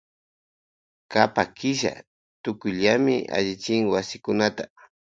Kapak killapi tukuylla allichin wasikunata.